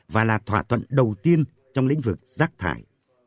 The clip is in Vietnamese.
và là thỏa thuận đầu tiên trong lĩnh vực rác thải